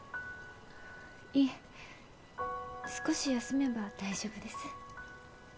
いえ少し休めば大丈夫です